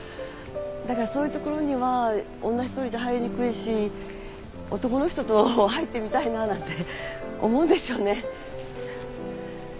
だからそういうところには女一人じゃ入りにくいし男の人と入ってみたいななんて思うんですよね。